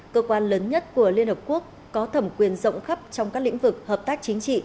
cơ quan lớn nhất của liên hợp quốc có thẩm quyền rộng khắp trong các lĩnh vực hợp tác chính trị